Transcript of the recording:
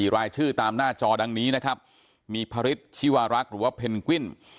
รายชื่อตามหน้าจอดังนี้นะครับมีพระฤทธิวารักษ์หรือว่าเพนกวิน